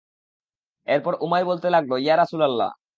এরপর উমাইর বলতে লাগল, ইয়া রাসূলাল্লাহ!